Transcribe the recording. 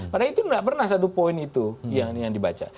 padahal itu tidak pernah satu poin itu yang dibaca